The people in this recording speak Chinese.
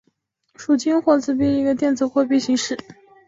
数字黄金货币是一种基于黄金质量的电子货币形式。